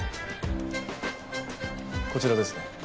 こちらですね。